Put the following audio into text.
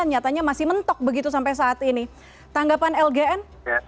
nyatanya masih mentok begitu sampai saat ini tanggapan lgn